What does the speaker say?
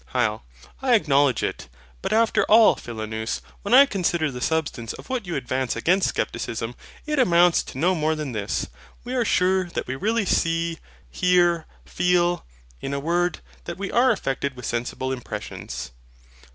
HYL. I acknowledge it. But, after all, Philonous, when I consider the substance of what you advance against SCEPTICISM, it amounts to no more than this: We are sure that we really see, hear, feel; in a word, that we are affected with sensible impressions.